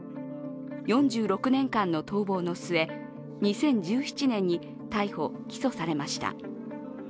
４６年間の逃亡の末、２０１７年に逮捕・起訴されました。